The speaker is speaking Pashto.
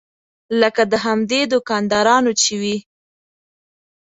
لکه د همدې دوکاندارانو چې وي.